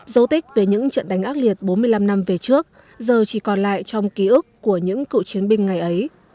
dấu tích về những trận đánh ác liệt bốn mươi năm năm về trước giờ chỉ còn lại trong ký ức của những cựu chiến binh ngày ấy